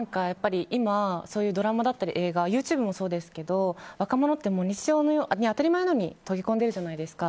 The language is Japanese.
今、ドラマだったり映画ＹｏｕＴｕｂｅもそうですけど若者って当たり前のように溶け込んでるじゃないですか。